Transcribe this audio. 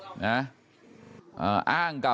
ไปรับศพของเนมมาตั้งบำเพ็ญกุศลที่วัดสิงคูยางอเภอโคกสำโรงนะครับ